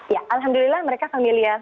ya alhamdulillah mereka familiar